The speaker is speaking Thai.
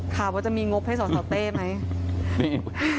ข่าวว่าจะมีงบให้สตสาวเต้ไหม